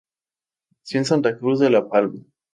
Nació en Santa Cruz de La Palma.